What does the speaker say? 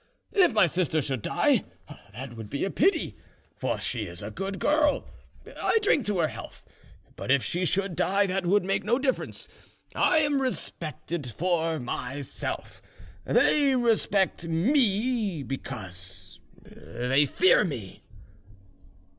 "If my sister should die, that would be a pity, for she is a good girl. I drink to her health! But if she should die, that would make no difference. I am respected for myself; they respect me because they fear me."